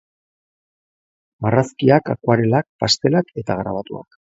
Marrazkiak, akuarelak, pastelak eta grabatuak.